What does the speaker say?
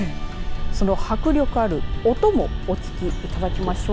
その迫力ある音もお聞きいただきましょう。